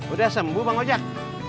udah sembuh bang ojak